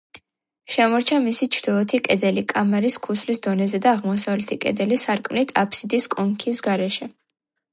შემორჩა მისი ჩრდილოეთი კედელი კამარის ქუსლის დონეზე და აღმოსავლეთი კედელი სარკმლით, აბსიდის კონქის გარეშე.